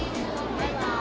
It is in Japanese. バイバーイ！